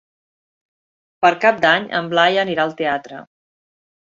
Per Cap d'Any en Blai anirà al teatre.